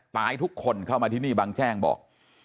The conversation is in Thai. ตายทุกคนเข้ามาที่นี่บางแจ้งบอก